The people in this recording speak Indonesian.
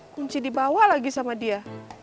kunci dibawa lagi sama dia